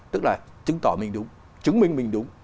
tức là chứng tỏ mình đúng chứng minh mình đúng